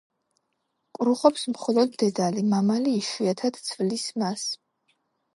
კრუხობს მხოლოდ დედალი, მამალი იშვიათად ცვლის მას.